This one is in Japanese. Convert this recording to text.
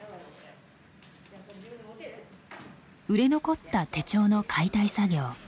売れ残った手帳の解体作業。